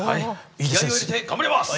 気合いを入れて頑張ります！